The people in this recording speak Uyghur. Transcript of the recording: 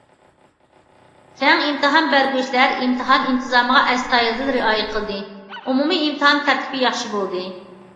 كەڭ ئىمتىھان بەرگۈچىلەر ئىمتىھان ئىنتىزامىغا ئەستايىدىل رىئايە قىلدى، ئومۇمىي ئىمتىھان تەرتىپى ياخشى بولدى.